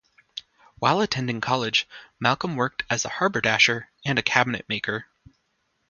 While attending college, Malcolm worked as a haberdasher and a cabinetmaker.